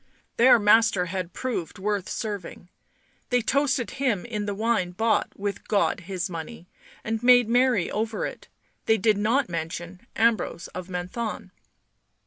Their master had proved worth serving. They toasted him in the wine bought with God His money and made merry over it; they did not mention Ambrose of Menthon.